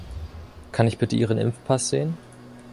Kann ich bitte Ihren Impfpass sehen?